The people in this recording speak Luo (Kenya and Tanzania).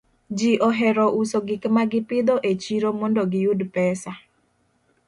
Ji ohero uso gik ma gipidho e chiro mondo giyud pesa.